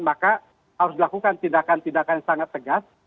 maka harus dilakukan tindakan tindakan yang sangat tegas